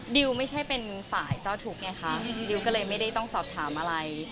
ดิวไม่ใช่เป็นฝ่ายเจ้าทุกข์ไงคะดิวก็เลยไม่ได้ต้องสอบถามอะไร